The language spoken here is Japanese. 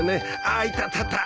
あいたたた。